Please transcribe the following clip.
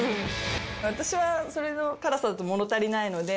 私はその辛さだと物足りないので。